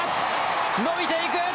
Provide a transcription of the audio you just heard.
伸びていく。